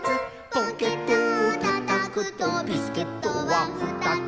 「ポケットをたたくとビスケットはふたつ」